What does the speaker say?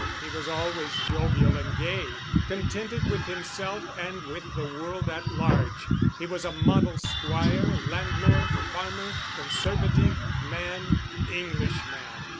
He was always jovial and gay, contented with himself and with the world at large; he was a model squire, landlord, farmer, conservative, man, Englishman.